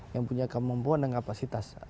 yang punya kemampuan dan kapasitas